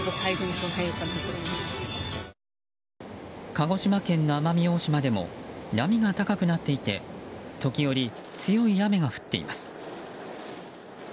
鹿児島県の奄美大島でも波が高くなっていて時折、強い雨が降っています。